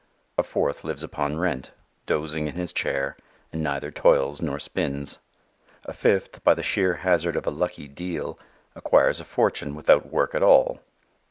A fourth lives upon rent, dozing in his chair, and neither toils nor spins. A fifth by the sheer hazard of a lucky "deal" acquires a fortune without work at all.